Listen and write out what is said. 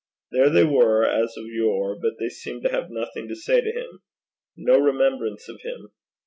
There they were, as of yore, but they seemed to have nothing to say to him no remembrance of him.